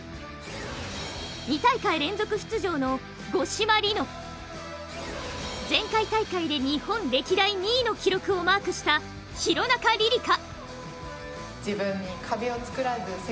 ２大会連続出場の五島莉乃、前回大会で日本歴代２位の記録をマークした廣中璃梨佳。